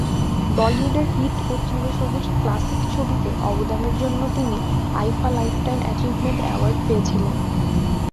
বলিউডের হিট ও চিরসবুজ ক্লাসিক ছবিতে অবদানের জন্য তিনি আইফা লাইফটাইম অ্যাচিভমেন্ট অ্যাওয়ার্ড পেয়েছিলেন।